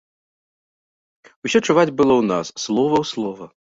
Усё чуваць было ў нас, слова ў слова.